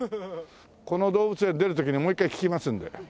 この動物園出る時にもう一回聞きますんで。